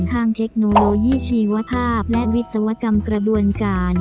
เทคโนโลยีชีวภาพและวิศวกรรมกระบวนการ